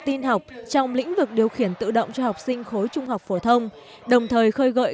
tin học trong lĩnh vực điều khiển tự động cho học sinh khối trung học phổ thông đồng thời khơi gợi